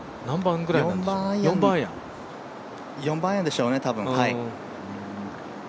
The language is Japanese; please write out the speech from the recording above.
４番アイアンでしょうね、多分。